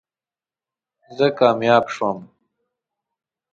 زه کامیاب شوم